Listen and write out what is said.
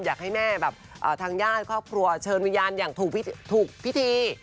อยากให้แม่แบบทางญาติครอบครัวเชิญวิญญาณอย่างถูกพิธี